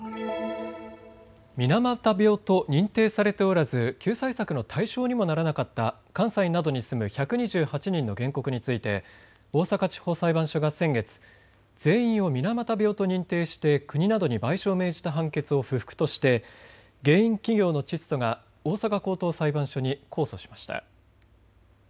水俣病と認定されておらず救済策の対象にもならなかった関西などに住む１２８人の原告について大阪地方裁判所が先月、全員を水俣病と認定して国などに賠償を命じた判決を不服として原因企業のチッソが大阪高等裁判所に控訴しました。